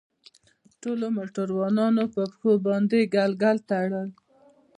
ټولو موټروانانو په پښو باندې ګلګل تړل.